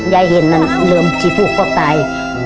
ยายเห็นนั้นเหลือมันชิบพูดก็ตาย